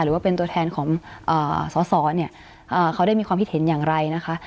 หรือว่าเป็นตัวแทนของสอสอเนี่ยเขาได้มีความคิดเห็นอย่างไรนะคะ